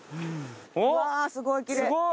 うわっすごいきれい！